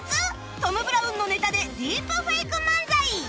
トム・ブラウンのネタでディープフェイク漫才